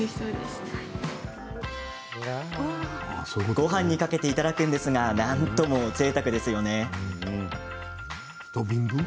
ごはんにかけていただくんですが何ともぜいたくですよね。